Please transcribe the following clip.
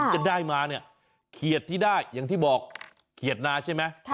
จะได้มาเนี่ยเขียดที่ได้อย่างที่บอกเขียดนาใช่ไหม